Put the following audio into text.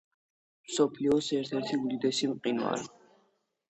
მსოფლიოს ერთ-ერთი უდიდესი მყინვარი.